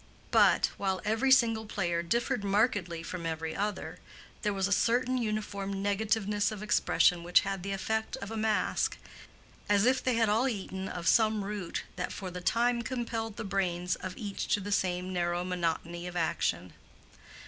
But, while every single player differed markedly from every other, there was a certain uniform negativeness of expression which had the effect of a mask—as if they had all eaten of some root that for the time compelled the brains of each to the same narrow monotony of action.